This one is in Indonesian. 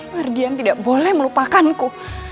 merdian tidak boleh melupakanku